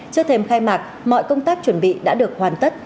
trước thêm khai mạc mọi công tác chuẩn bị đã được hoàn tất